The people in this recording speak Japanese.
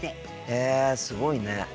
へえすごいね。